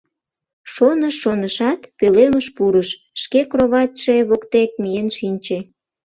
Шоныш-шонышат, пӧлемыш пурыш, шке кроватьше воктек миен шинче.